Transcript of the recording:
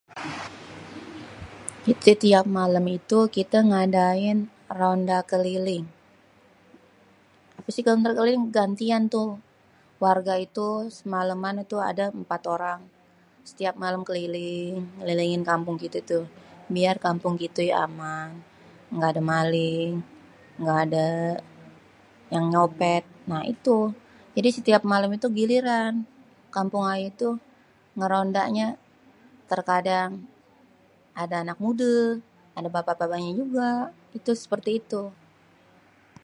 setiap malem itu kita ngadain ronda keliling, apa sih kalo ronda keliling, gantian tuh warga itu semaleman itu ada empat orang, setiap malem keliling, ngelilingin kampung kité tuh, biar kampung kité aman gada maling gada yang nyopet nah itu, jadi setiap malem itu giliran, kampung ayé tuh ngérondanya terkadang ada anak mudé ada bapa-bapa nya juga itu seperti itu.